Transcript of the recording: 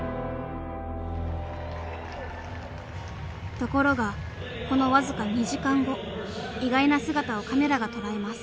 ところがこの僅か２時間後意外な姿をカメラが捉えます。